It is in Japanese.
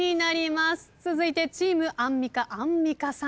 続いてチームアンミカアンミカさん。